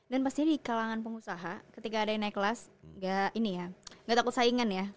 dan pasti di kalangan pengusaha ketika ada yang naik kelas gak ini ya gak takut saingan ya